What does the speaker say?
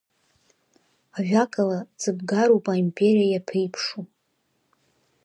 Ажәакала ҵыбгароуп аимпериа иаԥеиԥшу!